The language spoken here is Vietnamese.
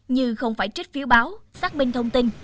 như không phải trích phiếu báo xác minh thông tin